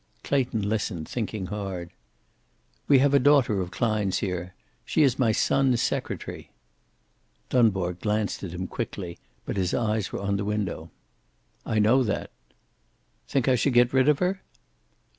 Clayton listened, thinking hard. "We have a daughter of Klein's here. She is my son's secretary." Dunbar glanced at him quickly, but his eyes were on the window. "I know that." "Think I should get rid of her?"